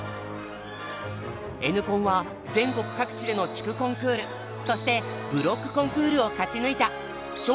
Ｎコンは全国各地での地区コンクールそしてブロックコンクールを勝ち抜いた小